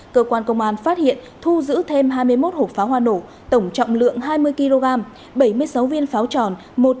cơ quan công an phát hiện thu giữ thêm hai mươi một hộp pháo hoa nổ tổng trọng lượng hai mươi kg bảy mươi sáu viên pháo tròn